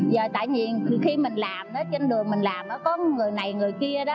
giờ tự nhiên khi mình làm trên đường mình làm có người này người kia đó